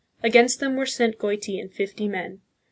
Against them were sent Goiti and fifty men.